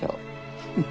フフフ。